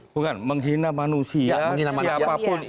bukan menghina manusia siapapun